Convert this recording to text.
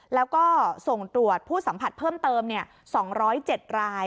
แล้วก็ส่งตรวจผู้สัมผัสเพิ่มเติม๒๐๗ราย